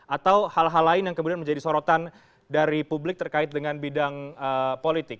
atau hal hal lain yang kemudian menjadi sorotan dari publik terkait dengan bidang politik